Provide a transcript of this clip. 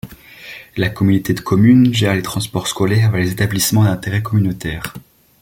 La communauté de communes gère les transports scolaires vers les établissements d'intérêt communautaire.